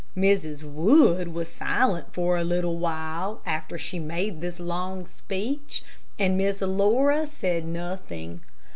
Mrs. Wood was silent for a little while after she made this long speech, and Miss Laura said nothing.